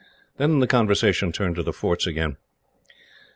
Then the conversation turned to the forts again.